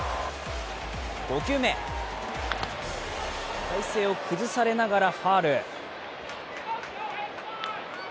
５球目体勢を崩されながらファウル。